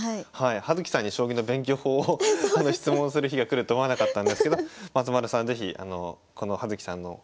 葉月さんに将棋の勉強法を質問する日が来ると思わなかったんですけど松丸さん是非この葉月さんの聞いたのを生かして頑張ってみてください。